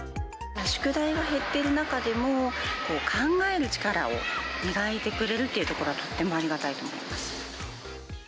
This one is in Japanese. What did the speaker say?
宿題が減ってる中でも、考える力を磨いてくれるというところは、とってもありがたいと思います。